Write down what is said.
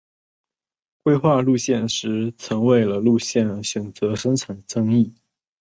规划路线时曾为了路线选择产生争议。